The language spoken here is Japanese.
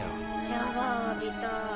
シャワー浴びたい。